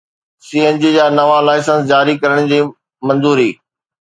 سي N G جا نوان licence جاري ڪرڻ جي منظوري